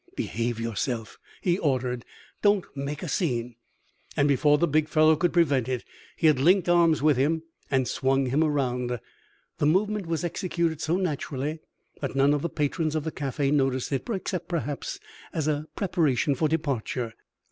"Behave yourself!" he ordered. "Don't make a scene," and before the big fellow could prevent it he had linked arms with him, and swung him around. The movement was executed so naturally that none of the patrons of the cafe noticed it, except, perhaps, as a preparation for departure.